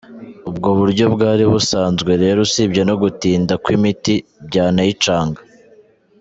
Ubwo buryo bwari busanzwe rero usibye no gutinda kw’imiti, byanayicaga.